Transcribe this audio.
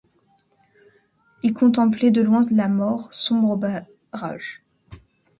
Ils contemplaient de loin la mort, sombre barrage.